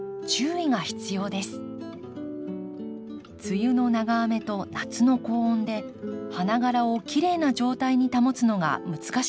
梅雨の長雨と夏の高温で花がらをきれいな状態に保つのが難しいのです。